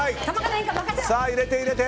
入れて、入れて。